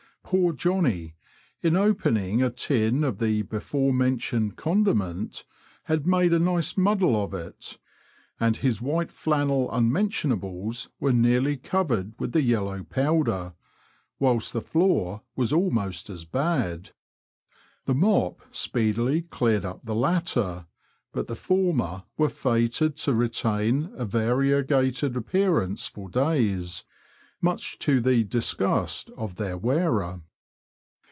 Poor Johnny, in opening a tin of the before mentioned condiment, had made a nice muddle of it, and his white flannel unmentionables were nearly covered with the yellow powder, whilst the floor was almost as bad. The mop speedily cleared up the latter, but the former were fated to retain a variegated appearance for days — much to the disgust of their wearer.